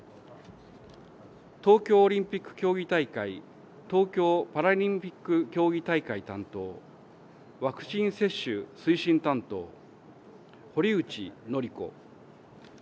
東京オリンピック競技大会、東京パラリンピック競技大会担当、ワクチン接種推進担当、堀内詔子。